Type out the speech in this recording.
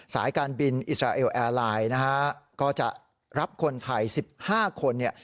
สายการบินอิสราเอลแอร์ไลน์นะฮะก็จะรับคนไทย๑๕คนเนี่ย